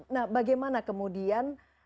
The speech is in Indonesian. nah bagaimana kemudian